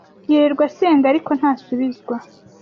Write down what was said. yirirwa asenga ariko ntasubizwa